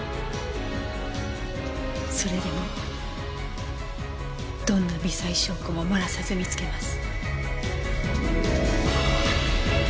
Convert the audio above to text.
それでもどんな微細証拠ももらさず見つけます。